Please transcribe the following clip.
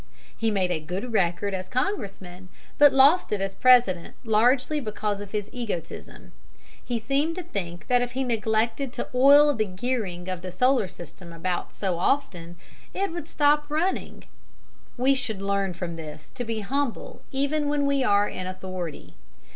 He made a good record as Congressman, but lost it as President largely because of his egotism. He seemed to think that if he neglected to oil the gearing of the solar system about so often, it would stop running. We should learn from this to be humble even when we are in authority.